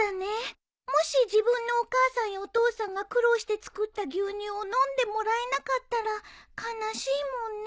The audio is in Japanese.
もし自分のお母さんやお父さんが苦労して作った牛乳を飲んでもらえなかったら悲しいもんね。